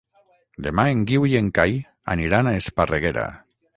Demà en Guiu i en Cai aniran a Esparreguera.